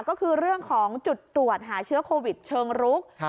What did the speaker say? ก็คือเรื่องของจุดตรวจหาเชื้อโควิดเชิงรุก